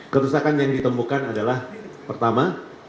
kerusakan yang ditemukan adalah pertama